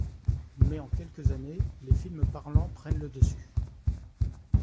Mais en quelques années, les films parlants prennent le dessus.